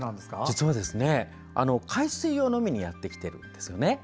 実は、海水を飲みにやってきているんです。